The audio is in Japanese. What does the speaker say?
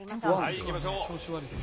いきましょう。